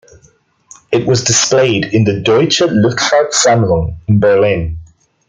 It was displayed in the "Deutsche Luftfahrt-Sammlung" in Berlin.